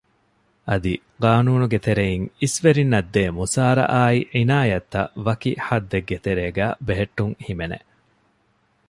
އަދި ޤާނޫނުގެ ތެރެއިން އިސްވެރިންނަށްދޭ މުސާރަ އާއި ޢިނާޔަތްތައް ވަކި ޙައްދެއްގެ ތެރޭގައި ބެހެއްޓުން ހިމެނެ